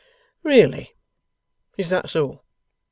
'Really? Is that so?